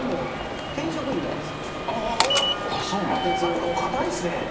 ちょっとお堅いですね。